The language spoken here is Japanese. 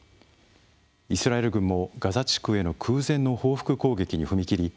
イスラエル軍も、ガザ地区への空前の報復攻撃に踏み切り